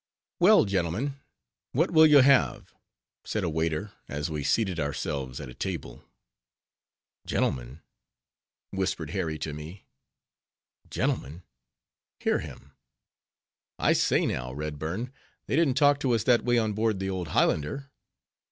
"Well, gentlemen, what will you have?"—said a waiter, as we seated ourselves at a table. "Gentlemen!" whispered Harry to me—"gentlemen!—hear him!—I say now, Redburn, they didn't talk to us that way on board the old Highlander.